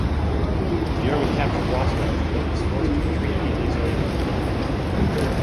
The army captured Rostov, but was forced to retreat eight days later.